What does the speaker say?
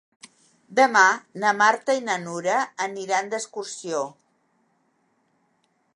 Demà na Marta i na Nura aniran d'excursió.